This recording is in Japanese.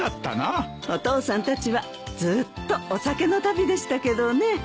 お父さんたちはずっとお酒の旅でしたけどね。